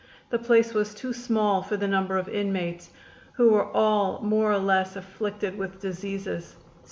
The place was too small for the number of inmates, who were all more or less afflicted with diseases.